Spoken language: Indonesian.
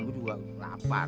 gua juga lapar